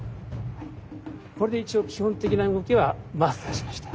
これで一応基本的な動きはマスターしました。